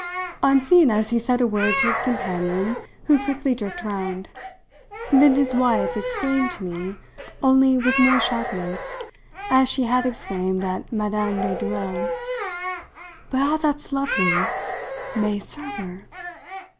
On seeing us he said a word to his companion, who quickly jerked round. Then his wife exclaimed to me only with more sharpness as she had exclaimed at Mme. de Dreuil: "By all that's lovely May Server!"